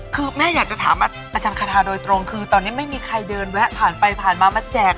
คือแม่อยากจะถามอาจารย์คาทาโดยตรงคือตอนนี้ไม่มีใครเดินแวะผ่านไปผ่านมามาแจก